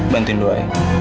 bantuin lo ya